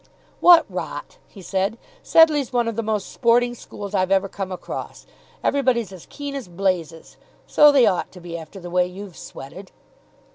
"What rot!" he said. "Sedleigh's one of the most sporting schools I've ever come across. Everybody's as keen as blazes. So they ought to be, after the way you've sweated."